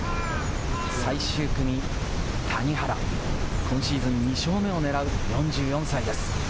最終組、谷原、今シーズン、２勝目を狙う４４歳です。